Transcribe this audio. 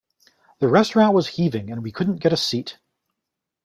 The restaurant was heaving and we couldn't get a seat.